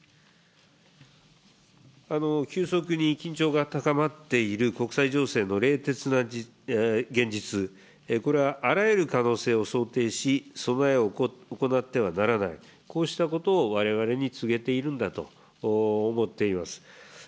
急速に緊張が高まっている国際情勢の冷徹な現実、これはあらゆる可能性を想定し、備えをおこなってはならない、こうしたことをわれわれに告げているんだと思っています。